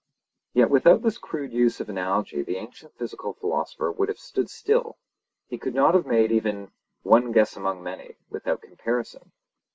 Yet without this crude use of analogy the ancient physical philosopher would have stood still; he could not have made even 'one guess among many' without comparison.